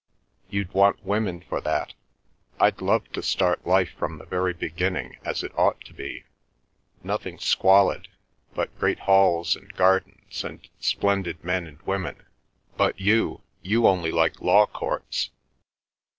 You'd want women for that. I'd love to start life from the very beginning as it ought to be—nothing squalid—but great halls and gardens and splendid men and women. But you—you only like Law Courts!"